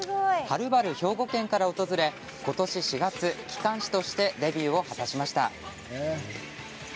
はるばる兵庫県から訪れことし４月機関士としてデビューを果たしました。